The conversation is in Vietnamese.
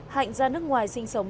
hạnh ra nước ngoài sinh sống